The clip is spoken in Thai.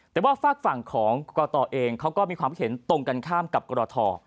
แต่ว่าฝากฝั่งของกรตเองเขาก็มีความคิดเห็นตรงกันข้ามกับกรท